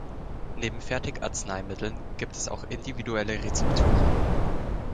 Neben Fertigarzneimitteln gibt es auch individuelle Rezepturen.